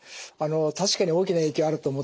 確かに大きな影響あると思ってました。